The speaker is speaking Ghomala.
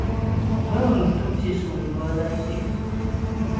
Bəŋ dù tǐsuŋ Duala tɛ'.